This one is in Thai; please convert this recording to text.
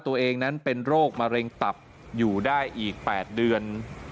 ตัวเองนั้นเป็นโรคมะเร็งตับอยู่ได้อีก๘เดือน